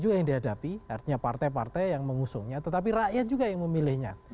juga yang dihadapi artinya partai partai yang mengusungnya tetapi rakyat juga yang memilihnya